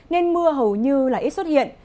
nên mưa hầu như ít xuất hiện